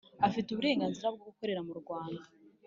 Afite uburenganzira bwo gukorera mu Rwanda